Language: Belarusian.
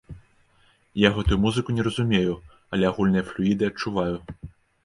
Я гэтую музыку не разумею, але агульныя флюіды адчуваю.